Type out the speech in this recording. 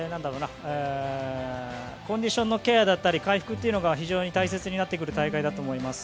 コンディションのケアだったり回復が非常に大切になってくる大会だと思います。